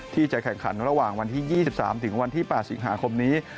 ที่จะแข่งขันระหว่างวันที่๒๓ถึงวันที่๘สิงหาคมนี้